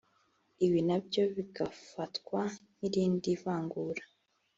ibi nabyo bigafatwa nk’irindi vangura